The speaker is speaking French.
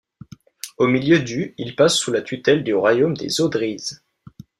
Au milieu du ils passent sous la tutelle du royaume des Odryses.